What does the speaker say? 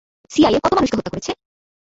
CIA কত মানুষকে হত্যা করেছে?